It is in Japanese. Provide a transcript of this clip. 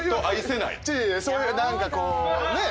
そういう何かこうねっ。